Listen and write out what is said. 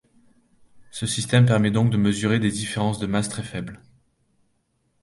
Ce système permet donc de mesurer des différences de masse très faibles.